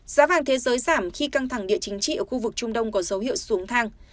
giá vàng thế giới giảm khi căng thẳng địa chính trị ở khu vực trung đông có dấu hiệu xuống thang